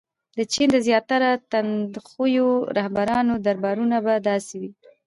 • د چین د زیاتره تندخویو رهبرانو دربارونه به داسې وو.